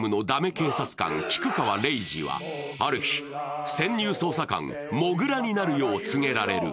警察官・菊川玲二はある日、潜入捜査官・モグラになるよう告げられる。